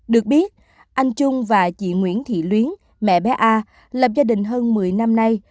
được biết anh trung và chị nguyễn thị luyến mẹ bé a lập gia đình hơn một mươi năm nay